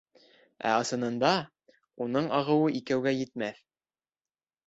Ә ысынында, уның ағыуы икәүгә етмәҫ...